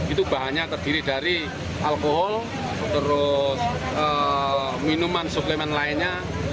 itu bahannya terdiri dari alkohol terus minuman suplemen lainnya